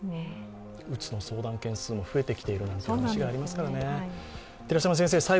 鬱の相談件数も増えてきているという話もありますからね。